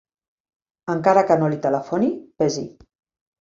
Encara que no li telefoni, ves-hi.